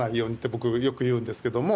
僕よく言うんですけども。